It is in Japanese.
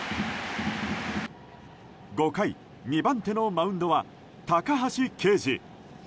５回、２番手のマウンドは高橋奎二。